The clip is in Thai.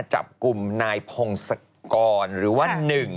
จับกลุ่มนายพงศกรหรือว่า๑